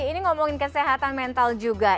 ini ngomongin kesehatan mental juga